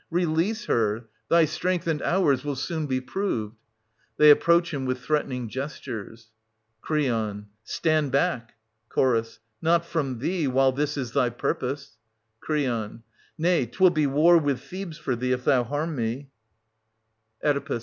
Release her I Thy strength, and ours, will soon be proved. \They approach him with threatening gestures, Cr. Stand back ! Ch. Not from thee, while this is thy purpose. Cr. Nay, 'twill be war with Thebes for thee, M thou harm me. 92 SOPHOCLES.